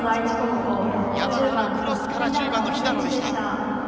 矢端のクロスから１０番の肥田野でした。